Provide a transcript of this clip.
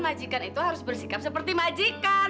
majikan itu harus bersikap seperti majikan